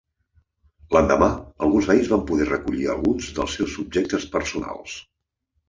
L'endemà, alguns veïns van poder recollir alguns dels seus objectes personals.